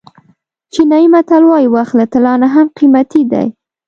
چینایي متل وایي وخت له طلا نه هم قیمتي دی.